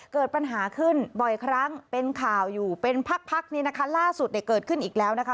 เกิดปัญหาขึ้นบ่อยครั้งเป็นข่าวอยู่เป็นพักพักนี่นะคะล่าสุดเนี่ยเกิดขึ้นอีกแล้วนะคะ